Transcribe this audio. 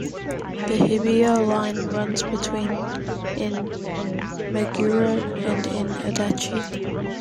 The Hibiya Line runs between in Meguro and in Adachi.